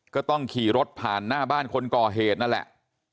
ก็ต้องขี่รถผ่านหน้าบ้านคนก่อเหตุนั่นแหละ